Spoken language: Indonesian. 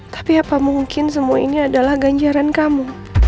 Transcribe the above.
tapi apa mungkin semua ini adalah ganjaran kamu